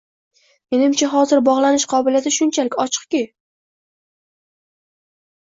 Menimcha, hozir bogʻlanish qobiliyati shunchalik ochiqki